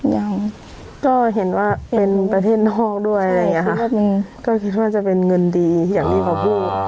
ยังก็เห็นว่าเป็นประเทศนอกด้วยอะไรอย่างเงี้ค่ะก็คิดว่าจะเป็นเงินดีอย่างที่เขาพูด